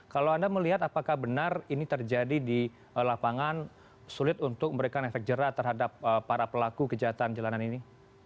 kalau anda melihat apakah benar ini terjadi di lapangan sulit untuk memberikan efek jerah terhadap para pelaku kejahatan jalanan ini